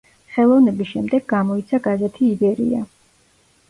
ხელოვნების შემდეგ გამოიცა გაზეთი „ივერია“.